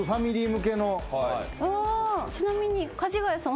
ちなみにかじがやさん